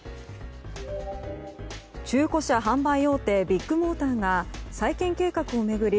中古車販売大手ビッグモーターが再建計画を巡り